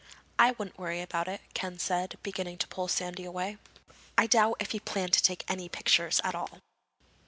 "I wouldn't worry about it," Ken said, beginning to pull Sandy away. "I doubt if he planned to take any pictures at all."